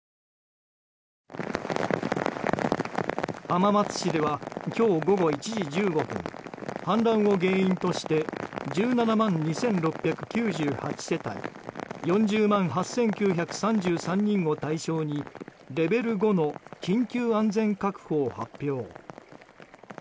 浜松市では今日午後１時１５分氾濫を原因として１７万２６９８世帯４０万８９３３人を対象にレベル５の緊急安全確保を発表。